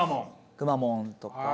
くまモンとか。